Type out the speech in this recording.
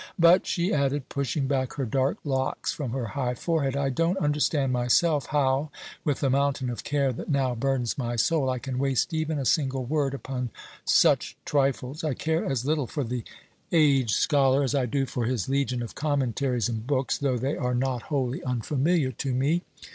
But," she added, pushing back her dark locks from her high forehead, "I don't understand myself, how, with the mountain of care that now burdens my soul, I can waste even a single word upon such trifles. I care as little for the aged scholar as I do for his legion of commentaries and books, though they are not wholly unfamiliar to me.